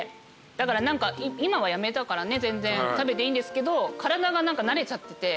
だから今はやめたから全然食べていいんですけど体が慣れちゃってて。